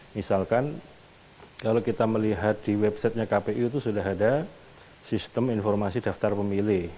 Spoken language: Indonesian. misalkan kalau kita melihat di websitenya kpu itu sudah ada sistem informasi daftar pemilih